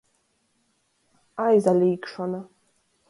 Aizalīgšona.